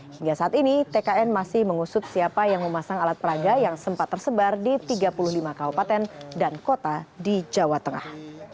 hingga saat ini tkn masih mengusut siapa yang memasang alat peraga yang sempat tersebar di tiga puluh lima kabupaten dan kota di jawa tengah